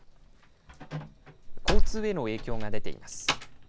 交通への影響が出ています。